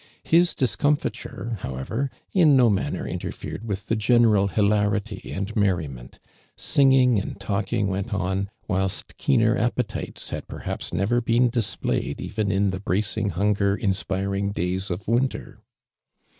His discomfiture, however, in no manner interfered with the general hilarity, and merriment; singing and talk ing went on, whilst keener appetites had jierhaps never been displayed even in tho bracing Inmger inspiring days of winter.